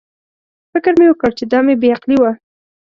فکر مې وکړ چې دا مې بې عقلي وه.